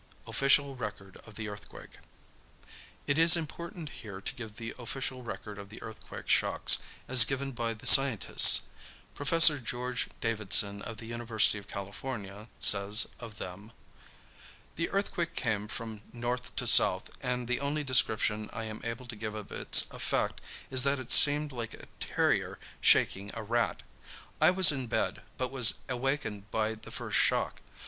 OFFICIAL RECORD OF THE EARTHQUAKE. It is important here to give the official record of the earthquake shocks, as given by the scientists. Professor George Davidson, of the University of California, says of them: "The earthquake came from north to south, and the only description I am able to give of its effect is that it seemed like a terrier shaking a rat. I was in bed, but was awakened by the first shock.